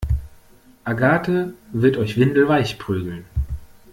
Agathe wird euch windelweich prügeln!